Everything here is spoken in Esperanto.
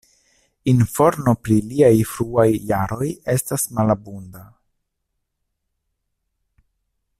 Informo pri liaj fruaj jaroj estas malabunda.